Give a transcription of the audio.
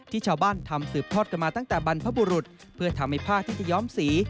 ชาวบ้านทำสืบทอดกันมาตั้งแต่บรรพบุรุษเพื่อทำให้ผ้าที่จะย้อมสี